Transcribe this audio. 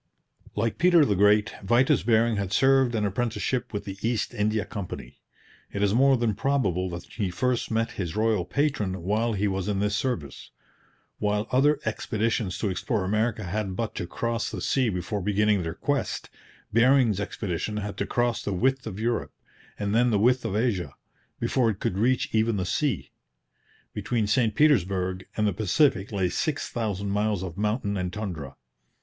Like Peter the Great, Vitus Bering had served an apprenticeship with the East India Company. It is more than probable that he first met his royal patron while he was in this service. While other expeditions to explore America had but to cross the sea before beginning their quest, Bering's expedition had to cross the width of Europe, and then the width of Asia, before it could reach even the sea. Between St Petersburg and the Pacific lay six thousand miles of mountain and tundra.